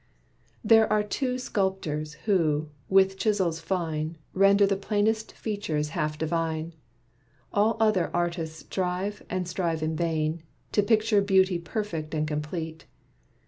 There are two sculptors, who, with chisels fine, Render the plainest features half divine. All other artists strive and strive in vain, To picture beauty perfect and complete.